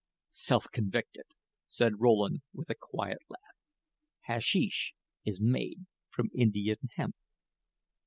"Self convicted," said Rowland, with a quiet laugh. "Hasheesh is made from Indian hemp."